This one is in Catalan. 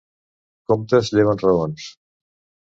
Comptes lleven raons.